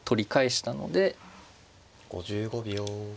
５５秒。